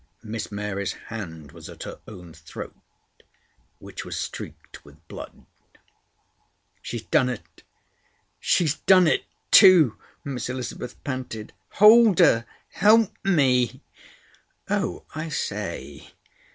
Miss Mary's hand was at her own throat, which was streaked with blood. "She's done it. She's done it too!" Miss Elizabeth panted. "Hold her! Help me!" "Oh, I say!